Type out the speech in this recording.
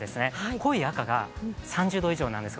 濃い赤が３０度以上なんです。